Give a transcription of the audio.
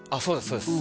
そうです